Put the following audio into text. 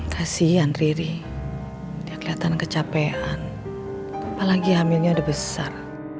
kasian riri dia kelihatan kecapean apalagi hamilnya udah besar